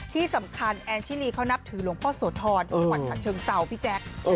ที่สำคัญแอนชินีเขานับถือหลวงพ่อโสธรที่จังหวัดฉะเชิงเซาพี่แจ๊ค